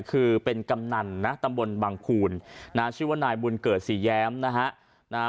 คือเป็นกำนันนะตำบลบังคูณชื่อว่านายบุญเกิดสี่แย้มนะฮะ